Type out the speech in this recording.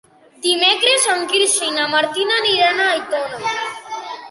Dimecres en Quirze i na Martina aniran a Aitona.